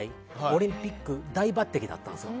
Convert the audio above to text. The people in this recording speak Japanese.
オリンピックで大抜擢だったんですよ。